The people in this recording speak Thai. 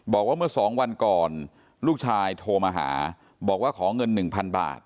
บอกว่าเมื่อ๒วันก่อนลูกชายโทรมาหาบอกว่าขอเงิน๑๐๐๐บาท